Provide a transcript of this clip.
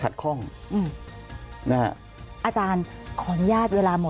ดาวสภาคมนัทสภา๑